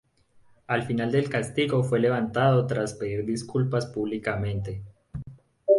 Al final el castigo fue levantado tras pedir disculpas públicamente.